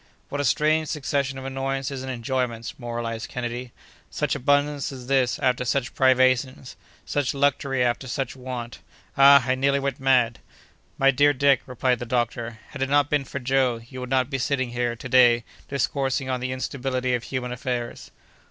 "What a strange succession of annoyances and enjoyments!" moralized Kennedy. "Such abundance as this after such privations; such luxury after such want! Ah! I nearly went mad!" "My dear Dick," replied the doctor, "had it not been for Joe, you would not be sitting here, to day, discoursing on the instability of human affairs."